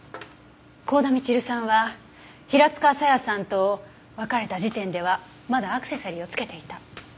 幸田みちるさんは平塚沙耶さんと別れた時点ではまだアクセサリーを着けていた。